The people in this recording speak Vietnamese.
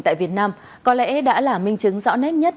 tín ngưỡng của mình tại việt nam có lẽ đã là minh chứng rõ nét nhất